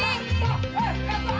eh kek apa